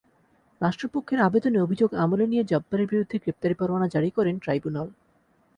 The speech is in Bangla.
রাষ্ট্রপক্ষের আবেদনে অভিযোগ আমলে নিয়ে জব্বারের বিরুদ্ধে গ্রেপ্তারি পরোয়ানা জারি করেন ট্রাইব্যুনাল।